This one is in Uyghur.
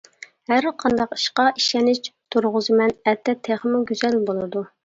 ھەرقانداق ئىشقا ئىشەنچ تۇرغۇزىمەن، ئەتە تېخىمۇ گۈزەل بولىدۇ.